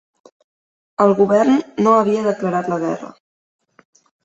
El Govern no havia declarat la guerra